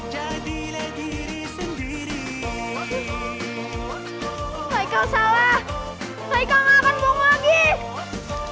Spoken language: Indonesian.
jadilah diri sendiri